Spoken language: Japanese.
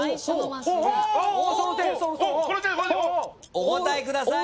お答えください。